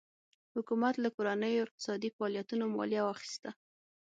حکومت له کورنیو اقتصادي فعالیتونو مالیه اخیسته.